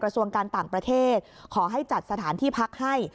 ส่วนการต่างประเทศขอให้จัดสถานที่พักให้